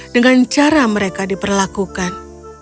dengan cara mereka diperlakukan